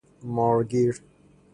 مار گیر